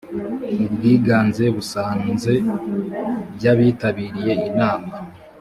ubwiganze busanze by abitabiriye inama